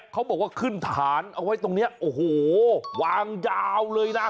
เขาบอกว่าขึ้นฐานเอาไว้ตรงนี้โอ้โหวางยาวเลยนะ